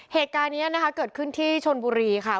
เหตุการณ์นี้นะคะเกิดขึ้นที่ชนบุรีค่ะ